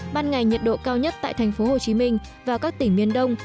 ban ngày nhiệt độ cao nhất tại thành phố hồ chí minh và các tỉnh miền đông